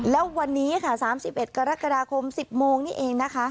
แล้ววันนี้ค่ะ๓๑กรกฎาคม๑๐โมงนี่เองนะคะ